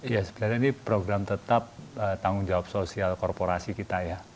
ya sebenarnya ini program tetap tanggung jawab sosial korporasi kita ya